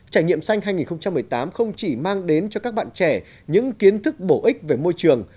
trải nghiệm xanh hai nghìn một mươi tám không chỉ mang đến cho các bạn trẻ những kiến thức bổ ích về môi trường